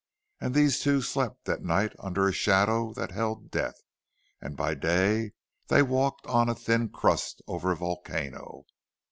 And these two slept at night under a shadow that held death, and by day they walked on a thin crust over a volcano.